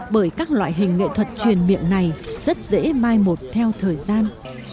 bởi các loại hình nghệ thuật truyền miệng này rất dễ mai một theo thời gian